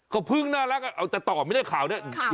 ก็พึ่งน่ารักเอาแต่ต่อไม่ได้ข่าวเนี่ย